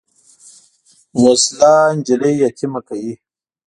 وسله نجلۍ یتیمه کوي